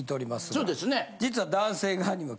そうですね。